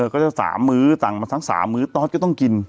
ก็จะสั่งทั้ง๓มื้อตอสก็ต้องกิน